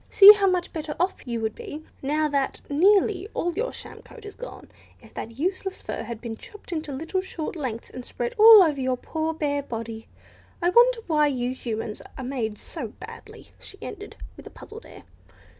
See how much better off you would be, now that nearly all your sham coat is gone, if that useless fur had been chopped into little, short lengths and spread all over your poor bare body. I wonder why you Humans are made so badly," she ended, with a puzzled air.